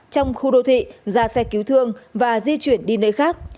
trong khu đô thị ra xe cứu thương và di chuyển đi nơi khác